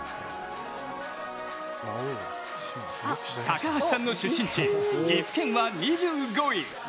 高橋さんの出身地、岐阜県は２５位。